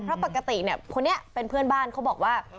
เพราะปกติเนี่ยคนนี้เป็นเพื่อนบ้านเขาบอกว่า